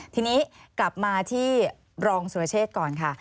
ทีนี้กลับมาที่รองสุรเชษฐ์ก่อนค่ะ